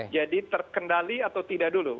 jadi terkendali atau tidak dulu